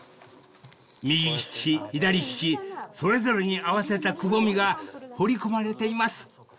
［右利き左利きそれぞれに合わせたくぼみが彫り込まれています］